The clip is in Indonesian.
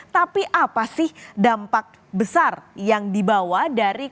tapi apa sih dampak besar yang dibawa dari kondisi kedua negara ini yang akhirnya membawa ketidakstabilan